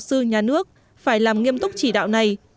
sư nhà nước phải làm nghiêm túc chỉ đạo này